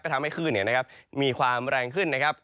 ก็ทำให้คลื่นเนี่ยนะครับมีความแรงขึ้นนะครับ